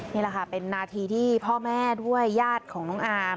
นี่แหละค่ะเป็นนาทีที่พ่อแม่ด้วยญาติของน้องอาร์ม